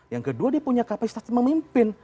yang kedua dia punya kapasitas memimpin